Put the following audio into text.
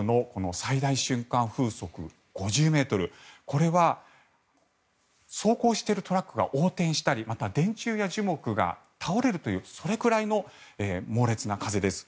これは走行しているトラックが横転したりまた、電柱や樹木が倒れるというそれくらいの猛烈な風です。